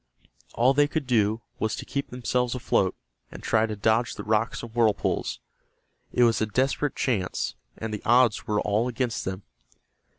All they could do was to keep themselves afloat, and try to dodge the rocks and whirlpools. It was a desperate chance, and the odds were all against them.